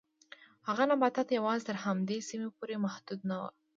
هغه نباتات یوازې تر همدې سیمې پورې محدود نه و.